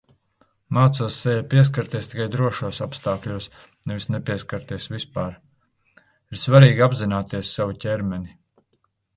Mācos sejai pieskarties tikai drošos apstākļos, nevis nepieskarties vispār. Ir svarīgi apzināties savu ķermeni.